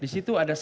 di situ ada skema